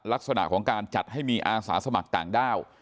ลักษณะของการจัดให้มีอาสาสมัครต่างด้าว